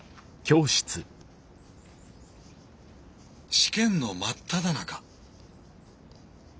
試験の真っただ中。